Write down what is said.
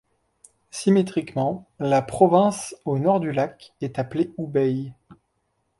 Symétriquement la province au nord du lac est appelée Hubei.